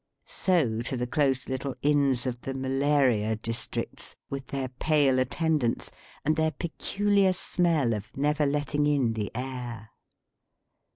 So to the close little Inns of the Malaria districts, with their pale attendants, and their peculiar smell of never letting in the air.